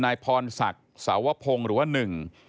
นายพรศักดิ์สวพงศ์หรือว่าหนึ่ง